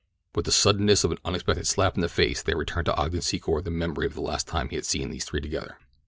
With the suddenness of an unexpected slap in the face there returned to Ogden Secor the memory of the last time he had seen these three together.